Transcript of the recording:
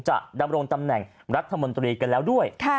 ดำรงตำแหน่งรัฐมนตรีกันแล้วด้วย